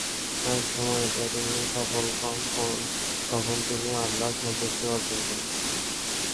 একসময় এতে তিনি সফলকাম হন, তখন তিনি আল্লাহর সন্তুষ্টি অর্জন করেন।